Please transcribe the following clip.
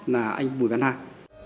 là anh bùi văn nam